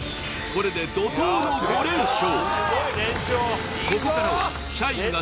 これで怒濤の５連勝